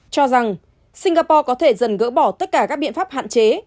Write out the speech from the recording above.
cho rằng singapore có thể dần gỡ bỏ tất cả các biện pháp hạn chế